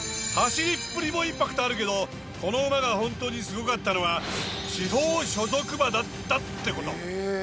走りっぷりもインパクトあるけどこの馬が本当にすごかったのは地方所属馬だったってこと。